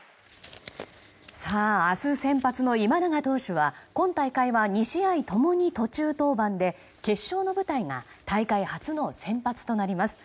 明日先発の今永投手は今大会は２試合ともに途中登板で決勝の舞台が大会初の先発となります。